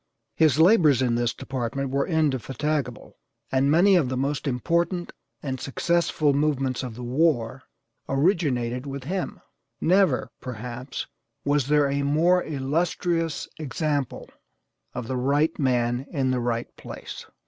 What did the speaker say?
His labors in this department were indefatigable, and many of the most important and successful movements of the war originated with him. Never, perhaps, was there a more illustrious example of the right man in the right place.